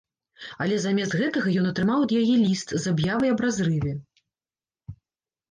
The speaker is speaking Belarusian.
Але замест гэтага ён атрымаў ад яе ліст з аб'явай аб разрыве.